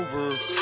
あ！